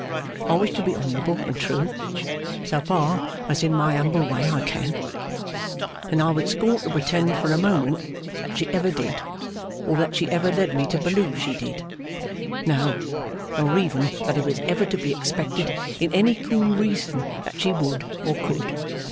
I wish to be honourable and true, so far as in my humble way I can, and I would scorn to pretend for a moment that she ever did, or that she ever led me to believe she did; no, nor even that it was ever to be expected in any cool reason that she would or could.